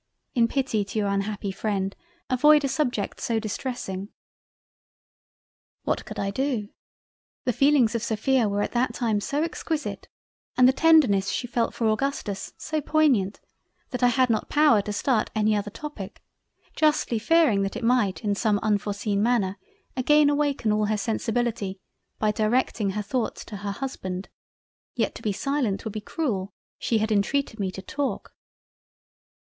In pity to your unhappy freind avoid a subject so distressing." What could I do? The feelings of Sophia were at that time so exquisite, and the tenderness she felt for Augustus so poignant that I had not power to start any other topic, justly fearing that it might in some unforseen manner again awaken all her sensibility by directing her thoughts to her Husband. Yet to be silent would be cruel; she had intreated me to talk.